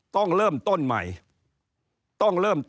ต้องเริ่มต้นใหม่